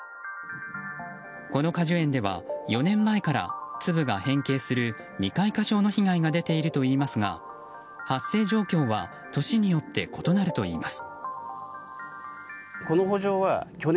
この果樹園では４年前から粒が変形する未開花症の被害が出ているといいますが発生状況は年によって異なるといいます。